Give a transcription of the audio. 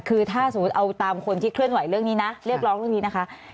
คือถ้าสมมุติเอาตามคนที่เคลื่อนไหวเรื่องนี้นะเรียกร้องเรื่องนี้นะคะ